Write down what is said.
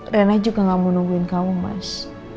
rena juga gak mau nungguin kamu mas